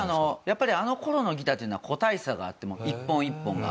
やっぱりあの頃のギターっていうのは個体差があって一本一本が。